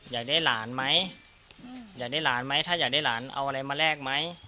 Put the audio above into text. อยากได้หลานไหมอยากได้หลานไหมถ้าอยากได้หลานเอาอะไรมาแลกไหม